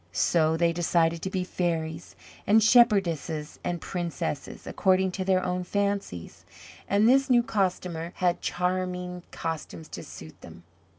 So they decided to be fairies and shepherdesses, and princesses according to their own fancies; and this new Costumer had charming costumes to suit them.